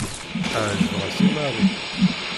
Ɛejbeɣ-as i Marie.